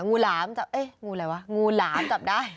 งูหลามจับเอ๊ะงูอะไรวะงูหลามจับได้